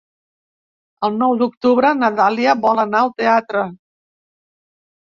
El nou d'octubre na Dàlia vol anar al teatre.